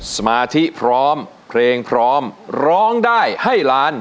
สมาธิพร้อมเพลงพร้อมร้องได้ให้ล้าน